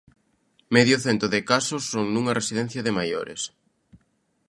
Medio cento de casos son nunha residencia de maiores.